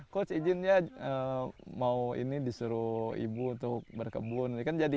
coach izinnya mau ini disuruh ibu untuk berkebun